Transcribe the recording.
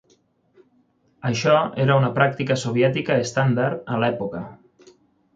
Això era una pràctica soviètica estàndard a l'època.